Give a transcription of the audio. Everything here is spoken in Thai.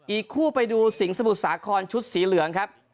อีกคู่ไปดูสิงห์สมุทรสาครชุดสีเหลืองครับ